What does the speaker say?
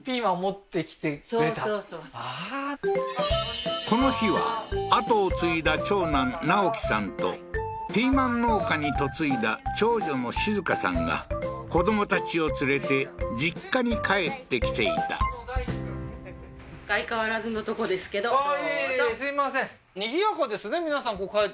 ああーこの日は跡を継いだ長男直樹さんとピーマン農家に嫁いだ長女の静香さんが子どもたちを連れて実家に帰ってきていたそうなんですか